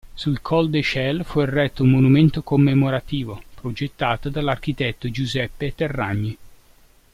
Sul Col d'Echele fu eretto un monumento commemorativo, progettato dall'architetto Giuseppe Terragni.